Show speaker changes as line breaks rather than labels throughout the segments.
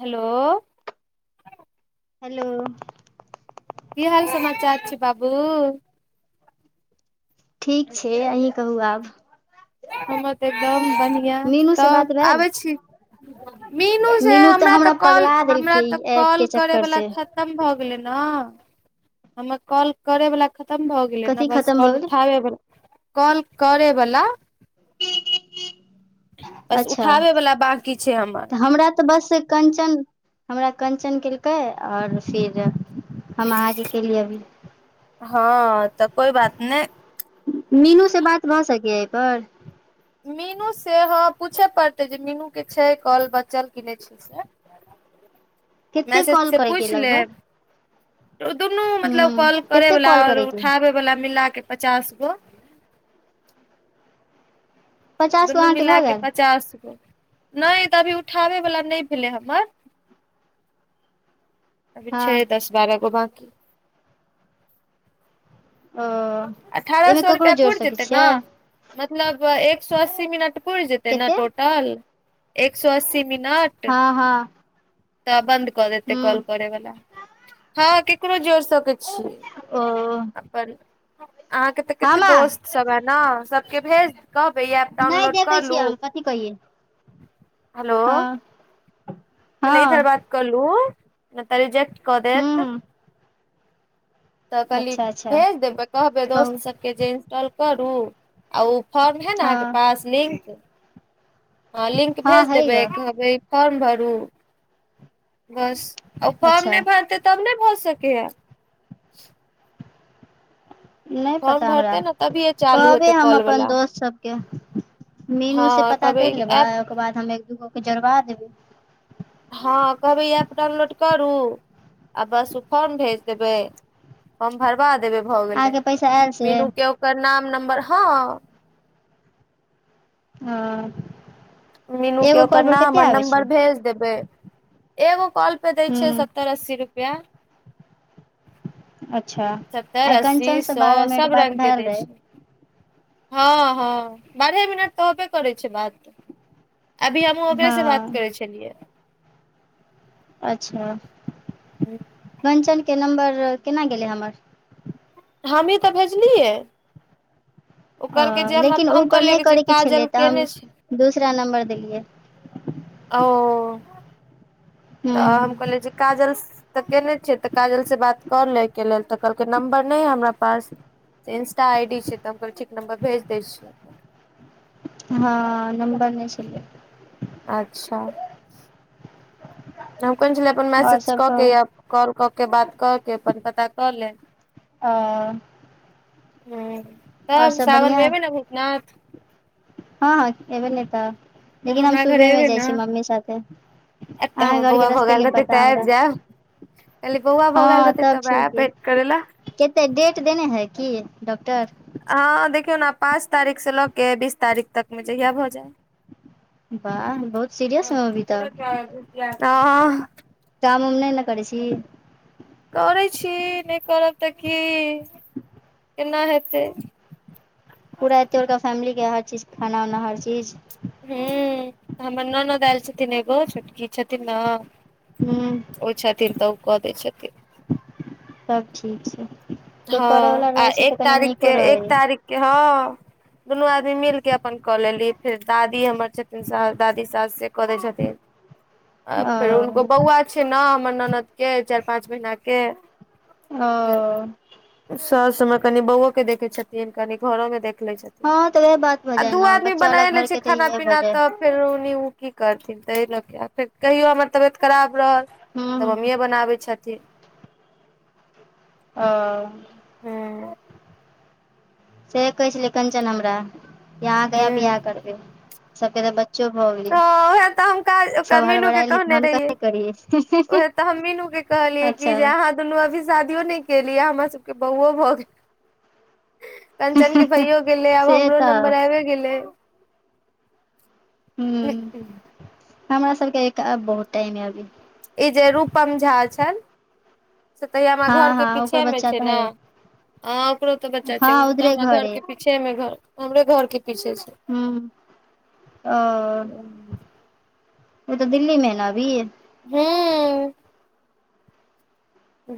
Hello
hello
की हाल समाचार छै बाबू?
ठीक छै अहीं कहू आब।
हमर तऽ एकदम बढ़िआ
मीनू से
तब
बात भेल
आबै छी। मीनू से हमरा तऽ कॉल
पगला
हमरा
देलकै ई
तऽ
ऐप
कॉल
के चक्कर
करैवला
से
खत तम भ गेलै न हमर कॉल करै वला खतम भ गेलै
कथी
न बस
खतम भऽ
कॉल
गेलै
उठाबै बला कॉल करे बला बस
अच्छा
उठाबे वाला बाकी छै हमर
तऽ हमरा तऽ बस कञ्चन हमरा कञ्चन केलकै आओर फिर हम अहाँ के केलियै अभी।
हँ तऽ कोइ बात नहि।
मीनू से बात भऽ सकैयै एहिपर?
मीनू से हँ पूछय पड़तै जे मीनूके छै कॉल बचल कि नहि छै से।
कते
मैसेज
कॉल
से
करैके
पूछि
लगभग
लेब। दुनू
हूँ
मतलब कॉल
कते
करेवला
कॉल
आओर
करैके
उठाबे बला मिलाके पचास गो
पचास गो
दुनू
अहाँके
मिला
भऽ
के
गेल
पचास गो नहि तऽ अभी उठाबैवला नहि भेलै हमर। अभी छै
हँ
दस बारह गो बाकी।
ओ
अठारह
एहिमे
सए
ककरो
रुपैआ
जोड़ि
पुरि
सकै
जेतै ने?
छियै
मतलब एक सो अस्सी मिनट पुरि जेतै न
कते
टोटल? एक सौ अस्सी मिनट।
हँ हँ।
तऽ बन्द कऽ देते
हूँ
कॉल करे वाला हँ केकरो जोर सके छी
ओ
अपन अहाँके तऽ
हँ
कते
माँ
दोस्त सब है न सबके भेज कहबै ई एप डाउनलोड कर लू?
कहिए
हलो पले
हँ
इधर बात कलू, न तऽ रिजेक्ट कऽ
हूँ
देत।
हूँ
तऽ कहली
अच्छा अच्छा
भेज देबै, कहबै दोस्त
कहू
सब के जे इंस्टॉल करू। आ ऊ फॉर्म है ने अहाँ के
हँ
पास लिंक? हँ लिंक
हँ
भेज
हइ
देबै
ग
कहबै फॉर्म भरू, बस। आ फॉर्म
अच्छा
नै भरतै तब नै भऽ सकैए?
नै
फॉर्म
पता हमरा,
भरतै ने तभिए चालू
कहबै
हेतै
हम
कॉल
अपन
वाला
दोस्त सब मीनू
हँ
से पता
कहबै
कैर लेबै
ऐप
ओकर बाद हम एक- दू- गो के जोड़बा देबै।
हँ कहबै इ एप डाउनलोड करू आ बस उ फॉर्म भेज देबै। हम भरबा देबै भऽ गेलै
अहाँके पैसा आयल से
मीनू के ओकर नाम नम्बर हँ
हँ।
मीनू के
एगो
ओकर
कॉल पर कते
नाम आ
आबै छै
नम्बर भेज देबै एगो कॉल पर दै छै
हूँ
सत्तर-अस्सी रुप्या।
अच्छा।
सत्तर,
आइ
अस्सी,
कंचन से
सौ
बारह मिनट
सब
बात
रंग के
भेल रहै
दैछ। हँ-हँ, बारहे-मिनट तऽ होबे करै छै बात। अभी हमहूँ ओकरे से भात
हँ
करै छलियै।
अच्छा।
हूं।
मंचन के नम्बर केना गेलै हमर?
हमी तऽ भेजलियै। ओ कअलकै
हँ
जे हम
लेकिन
अ
ओ
हम
पर नहि
कहलियै कि जे
करयके छलै
काजल
तऽ हम
केने छै।
दूसरा नम्बर देलियै
ओ तऽ हम
हूँ
कहल्ये जे काजल्स। तऽ केने छै तऽ काजल से बात कर लैके लेल तऽ कअलकै नम्बर नै हमरा पास। त इंस्टा आईडी छै तऽ हम कल् ठीक नम्बर भेज दै छियौ।
हँ, नम्बर नै छलै।
अच्छा। हम कने छलियै अपन
आओर
मैसेज
सभ
कऽ केऽ
कहू
या कॉल कऽ केऽ बात कऽ केऽ अपन पता कऽ ले।
अ
हूं,
आओर
तब
सभ
सावनमे
बढ़िआँ
एबै ने भूतनाथ? तऽ
हँ-हँ एबे नै तऽ लेकिन हम सुबहे मे जै छियै मम्मी साथे।
एकटाऽ
अहाँ
हमर बौआ
घरके
भ
रस्ते
गेल
नहि
रहतै
पता
तऽ ऐब
हमरा
जेब। कलिऐ बौआ भ गेल रहतै त हमरा एब भेंट करै ले।
केते डेट देने है कि डॉक्टर?
हँ, देखियौ ने पाँच तारीख से लऽ के बीस तारीख तक में जहिया भऽ जे।
बाह, बहुत सीरिअस हाॅबी।
दूध पियेब-दूध पियेब? अहाँ।
काम-उम नै-न करै छी?
करै छी नै करब तऽ की-केना हेतै?
पूरा एतेबरका फैमिली के हर-चीज, खाना-उना हर चीज?
हूँ, हमर ननद एल छथिन एगो छोटकी छथिन न?
हूँ।
ओ छथिन तऽ ओ कऽ दै छथिन।
तब ठीक छै। कोइ
हँ
करयवला
आ
रहै छै
एक
तऽ कनि नीको
तारीखके एक
रहै
तारीखके हँ दुनू आदमी मिलके अपन कऽ लेली फेर दादी हमर छथिन से दादी सास से कऽ दै छथिन। आ
ओ
फेर हुनको बौआ छैय ने हमर ननदके चारि पाँच महिनाके।
ओ।
सउस हमर कनि बौओ के देखे छथिन कनि घरोके देख ले छथिन।
हँ तऽ उएह बात भऽ
आ
जाइ
दू
ने
आदमी
बच्चा वाला
बनाय ले छैय
घरके तऽ
खाना
इएह भऽ
पीना
जाइ
तऽ फे ओनही ओ की करथिन ताहि लऽ के आ फेर कहियो हमर तबियत खराब रहल
हूँ
तब
हूँ
मम्मीए बनाबै छथिन।
ओ।
हूँ।
से कहै छलै कंचन हमरा जे अहाँ
ह
कहिया बियाह करबे सबके तऽ बच्चो भऽ गेलै।
सेहे तऽ हम काल्हि ओकरा
सब
मिनु के
हड़बड़ायल हे तऽ
कहने
हम
रहियै,
कथी करियै
उहेए तऽ हम मिनु के कहलिय की
अच्छा
जे अहाँ दुनू अभी शादियो नहि केलिय आ हमरा सबके बौओ भऽ गेल। कंचन के भैयो गेले आब
से
हमरो
तऽ
नम्बर आयबे गेले।
हूँ हमरा सबके आब बहुत टाइम य अभी।
ई जे रूपम झा छनि। से तऽ हैया हमरा
हँ
घरके
हँ ओकर
पीछेमे
बच्चा
छैय
तऽ
ने
है
आ ओकरो तऽ बच्चा
हँ
छैय ओ तऽ
उधरे
हमरा घर
है
के पी पीछेमे घर हमरे घर के पीछे छैय।
[unintelligible]
हें।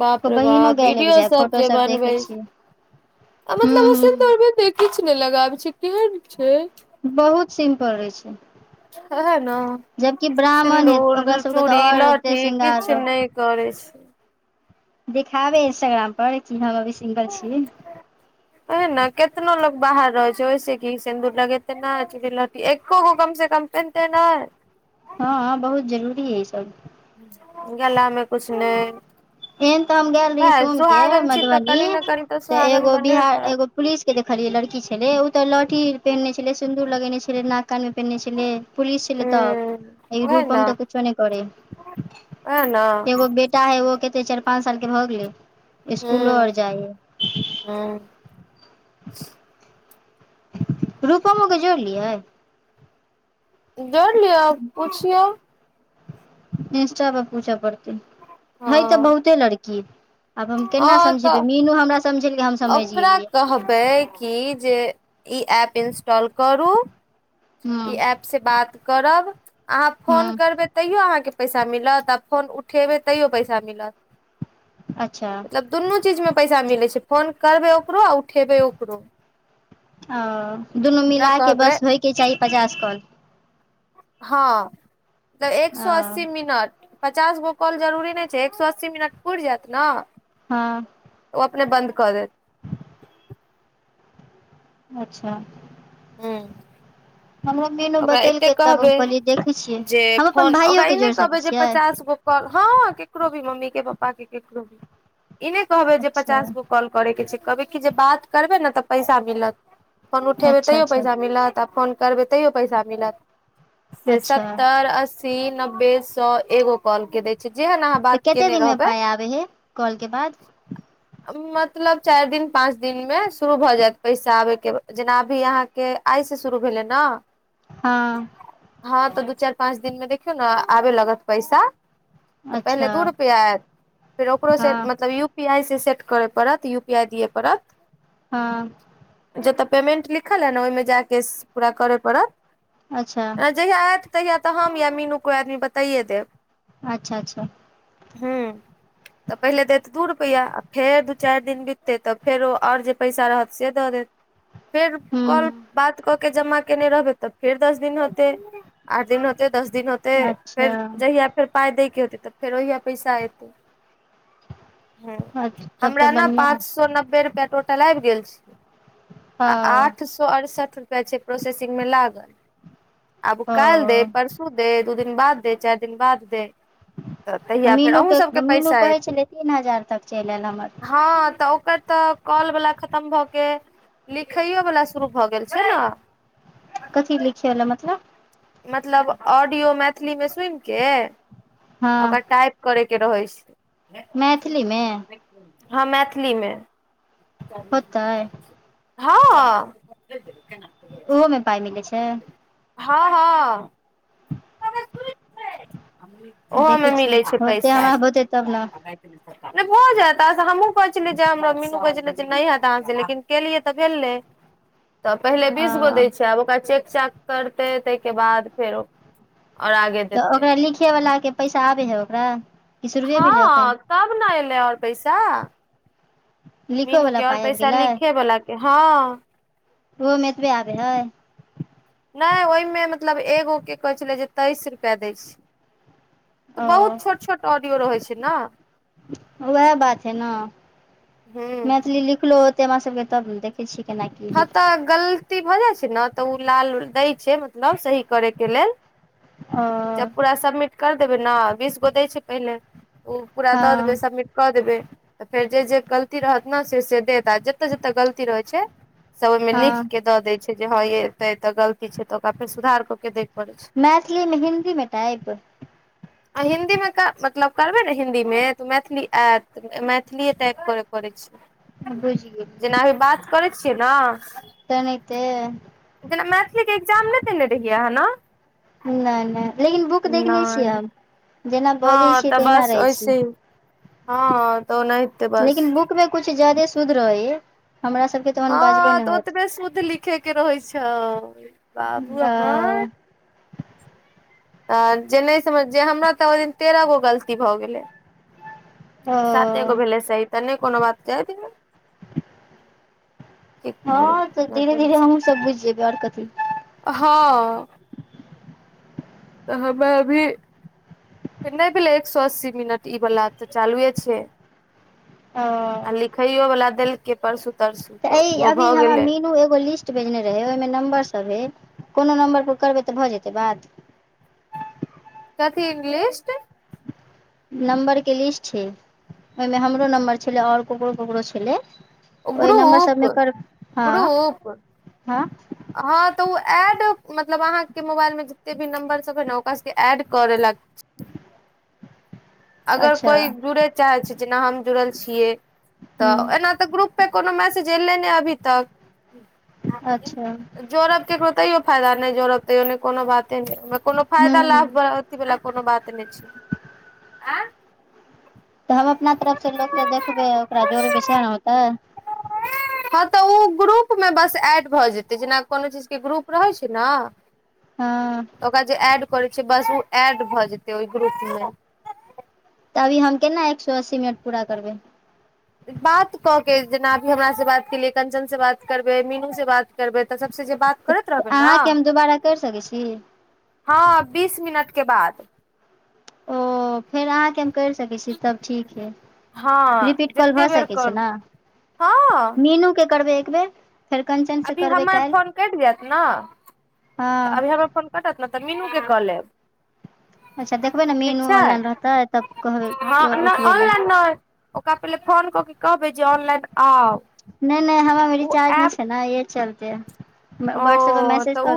बाप रे
बहिनो
बाप
गेल
वीडियो
बुझाय
सब
फोटो
जे
देखै
बनबे
छियै
छैय।
हूँ
मतलब ओ
हूँ
सिन्दूर बिन्दी किछु ने लगाबे छैय, केहन छैय।
बहुत सिम्पल रहै छैय।
ओहए न
ब्राह्मण है
सिन्दूर
ओकरा सबके तऽ
चूड़ी
आओर एते
लहठी
श्रृंगार
किछ
रह
नहि करै छैय।
देखाबे इंस्टाग्राम पर कि हम अभी सिंगल छी।
ओहे ने केतनो लोग बाहर रहै छैय ओैसे कि सिन्दूर लगेते ने चूड़ी लहटी एको गो कम से कम पहिरते नहि।
हँ बहुत जरूरी अइ ई सब।
गला मे किछु नहि
एहेन तऽ हम गेल रही सोमके
छी तऽ
मधुबनी
कनि ने कनि
तऽ
सुहागन
एगो
बने
बिहा
पड़त
एगो पुलिस के देखलियै लड़की छले ओ तऽ लहठी पहिनने छले सिन्दूर लगेने छले नाक कानमे पेनने छले। पुलिस
ह
छलै तब ई
ओहे ने
रूपम तऽ कुछो नहि करय
ओहे ने
एगो। बेटा है ओहो कते चारि पांच साल के भऽ गेले इसकूलो आओर
हूँ
जाइये।
हूँ।
रूपममो के जोड़लियै।
जोड़ लियअ पुछियौ।
इन्सटा पर पूछऽ पड़तै छैय तऽ
हँ
बहुते लड़की। आब हम केना
हँ
समझेबे
तऽ
मीनू हमरा समझेलकै हम समझ
ओकरा
गेलियै
कहबै कि जे ई एप इंस्टॉल करू।
हूँ
ई ऐपसे बात करब अहाँ फोन
हूँ
करबै तैयो अहाँके पैसा मिलत आ फोन उठेबै तैयो पैसा मिलत।
अच्छा।
मतलब दुनू चीजमे पैसा मिलै छै फोन करबै ओकरो आ उठेबै ओकरो।
हँ दुनू
ओकरा
मिला के
कहबै
बस होयके चाही पचास काॅल।
हँ तऽ एक सौ
ओ
अस्सी मिनट। पचास गो कॉल जरूरी नहि छै एक सौ अस्सी मिनट पूइर जेएत नऽ।
हँ।
ओ अपने बन्द कऽ देएत।
अच्छा
हूँ।
हमरो मीनू
ओकरा एते
बतेलकै तब हम
कहबै
कहलियै देखै छियै
जे
हम अपन
फोन ओकरा
भाइयोके
ई नै
जोड़ि सकै
कहबै जे
छियै
पचास गो। कॉल हँ केकरो भी मम्मी के पापा के केकरो भी ई नेै कहबे जे
अच्छा
पचास गो कॉल। करेै के छै कहबै की जे बात करबे ने तऽ पैसा मिलत फोन उठेबै
अच्छा
तैयो
अच्छा
पैसा मिलत आ फोन करबै तैयो पैसा मिलत से
अच्छा
अस्स सी, नब्बे, सौ एगो काॅल के दै छै जेहन आहाँ
कते दिन मे पाय आबेै है कॉल के बाद।
मतलब चैर दिन पाँच दिन मे शुरू भऽ जेएत पैसा आबे के जेना आब भी अहाँके आय से शुरू भेलेै ने।
हँ।
हँ तऽ दू चैर पाँच दिन मे देखियौ ने आबे लगत पैसा। तऽ पहिले
अच्छा
दू रुपआ एयत फेर ओकरो से
हँ
मतलब यू यू पी आई से सेट करय पड़त यू पी आई दिए पड़त।
हँ।
जतऽ पेमेंट लिखल एइ ने ओहिमे जाकऽ पूरा करय पड़त।
अच्छा
जहिया एत तहिया तऽ हम या मीनू कोइ आदमी बताइये देब।
अच्छा-अच्छा
हँ। तऽ पहिले देत दू रुपैआ आ फेर दू चैर दिन बिततै तऽ फेरो और जे पैसा रहत से दऽ देत। फेर कॉल
हूँ
बात कऽ के जमा केने रहबै तऽ फेर दस दिन होते आठ दिन होते दस दिन होते। तऽ
अच्छा
फेर जहिया फेर पाय दै के होतै तऽ फेर ओहिया पैसा एतै। हूँ
तब तऽ
हमरा ने
बढ़िआँ
पाँच सौ नब्बे रुपआ टोटल आइब गेल छै।
हँ।
सौ अरशठ रूपया छै प्रोसेसिंग मे लागल आब उ कैल देै
ओ
परसु दे दू दिन बाद दे चैर दिन बाद देै।
मीनूके मीनू कहै
एतै
छेलै तीन हजार तक चैल एयल हमर।
हँ तऽ ओकर तऽ कॉल वला खत्म भऽ के लिखैयो वाला शुरू भऽ गेल छैय नऽ।
कथी लिखैय वला मतलब।
मतलब ऑडियो मैथिली मे सुइन के
हँ
ओकर टाइप करैयके रहै छै
मैथिलीमे
हँ मैथिलीमे।
होतै
हँ।
ओहोमे पाय मिलै छै।
हँ हँ। ओहोमे
देखै छी
मिलै छै
होतै
पैसा।
हमरा होतै तब ने
नय भऽ जेएत आहाँसँ हमहुँ कहै छलियै जे हमरा मीनू कहै छलै जे नइ हैत अहाँ से लेकिन केलियै तऽ भेलै। तऽ पहिले
आ
बीस गो दै छै आब ओकरा चेक-चाक करतै ताहिके बाद फेरो। ओर आगे।
तऽ ओकरा लिखे वला के पैसा आबै हइ ओकरा। कि शुरुए भेलै एखन
हँ तब ने एलै और पैसा। मीनू के
लिखोवला
और
पाइ आबि
पैसा
गेलै
लिखे बला के हँ।
ओहोमे एतबे आबै हइ।
नय ओहिमे मतलब एगो के कहै छलै जे तेइस रुपैआ दै छै। तऽ
ओ
बहुत छोट छोट ऑडियो रहै छै न
उएह बात छै न
ह
मैथिली लिखलो होते हमरा सभके तब ने देख कि छी केना की
हँ
हेतै
तऽ गलती भऽ जाइ छै न, तऽ ओ लाल दै छै मतलब सही करे के लेल जब
ओ
पूरा सबमिट कर देबै न बीस गो दै छै पहिलै ओ पूरा दऽ देबै
हँ
सबमिट कऽ देबै तऽ फेर जे -जे गलती रहत न से -से देत आ जतअ - जतअ गलती रहैत छै सब ओहिमें लिख के
हँ
द देय छै जे हँ य एते एते गलती छै, तऽ ओकरा फेर सुधार क के दय पड़े छै।
मैथिलीमे हिन्दी मे टाइप
आ हिन्दी मे कर मतलब करबै ने हिंन्दी मे तऽ मैथिली ऐत, मैथिलीए टाइप कर पड़ै छै,
बुझि
जेना
गेलियै
अभी बात करै छियै न
तेनाहिते
जेना मैथिलीके एकग्जाम नइ देने रहियै आहाँ न।
नय -नय लेकिन बुक देखने छियै,
नहि
हम जेना
हँ
बजय छियै,
तऽ
तहिना
बस
रहैत
ओहिसे
छय।
ही हँ तऽ ओनहि
लेकिन बुक मे कुछ ज्यादे शुद्ध रहै है हमरा सबके तहन बाजलो
हँ
नहि
तऽ
होत
ओतबे शुद्ध लिखे के रहे छै, बाबू
अ
हमर तऽ जे नहि सम जे हमरा तऽ ओहि दिन तेरह गो गलती भऽ गेलै
ओ
साते गो भेलै सही तऽ नहि कोनो बात जे दियो।
हँ तऽ धीरे धीर हमूँ सब बुझि जबइ ओर कथी
हँ तऽ हमरा अभी नैय भेलै एक सों अस्सी मिनट ई वला तऽ चालुए छै।
हअ
खायो वला देल के परसू तरसू
तऽ ई
ओहो
अभी
भऽ
हमरा
गेलै
मीनू एगो लिस्ट त भेजने रहे ओइमे नम्बर सब रहै कोनो नम्बर पर करबै तऽ भऽ जेतै बात
कथी इंग्लिस्ट
नम्बर के लिस्ट छै, ओएमे हमरो नम्बर छलै ओर ककरो - ककरो छलै। ओय नम्बर
ग्रुप
सभमे कर हँ-
ग्रुप
हँ
हँ तऽ ओ एड मतलब अहाँ के मोबाइल मे जते भी नंम्बर सभ है ने ओकरा सबके एड कर लेलक। अगर
अच्छा
कोइ जुड़य चाहै छै, जेना हम जुड़ल छियै,
हूँ
तऽ एना तऽ ग्रुप प कोनो मैसेज ऐले नय अभी तक
अच्छा
जोड़ब ककरो तैयो फायदा नहि जोड़ब तैयो नइ कोनो बाते नहि कोनो फायदा
हूँ
लाभ अथि वाला कोनो बात नइ छै।
तऽ हम अपना तरफ से लोकके देखबै ओकरा जोड़बै सेह
छै
ने होतै।
हँ तऽ ओ ग्रुपमे बस ऐड भऽ जेतै जेना कोनो चीज के ग्रुप रहै छैय ने
हँ।
तऽ ओकरा जे एड करे छैय बस ओ एड भऽ जेते ओहि ग्रुपमे।
तऽ अभी हम केना एक सए अस्सी मिनट पूरा करबै।
बात कऽ के जेना अभी हमरासँ बात केलियै कंचन सँ बात करबै, मीनूसँ बात करबै तऽ सभसँ जे बात करत
आहाँके हम दुबारा करि सकैत छी।
हँ बीस मिनटके बाद।
ओ। फेर अहाँके हम कैर सकै छी तब ठीक अइ।
हँ
रिपीट कॉल
जते
भऽ
बेर
सकै छैय
करू
ने।
हँ
मीनूके करबै एकबेर फेर कंचन सँ
अभी
करबै
हमर
काल्हि।
फोन कटि जायत ने तऽ अभी
हँ
हमर फोन कटत ने तऽ मीनूके कऽ लेब।
अच्छा देखबै ने
ठीक
मीनू
छैय।
ऑनलाइन रहतै तब
हँ
कहबै
नय
उठबै लए
ऑनलाइन नै ओका पहिले फोन क क कहबै जे ऑनलाइन आउ।
नै-नै हमरा में
ओ
रिचार्ज नहि
एप
छैय न एहि चलते
ओ
वह्टसऐप पर मैसेज
तऽ
क
ओ
के